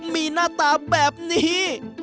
มีหน้าตาแบบนี้